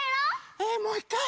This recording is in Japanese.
えもういっかい？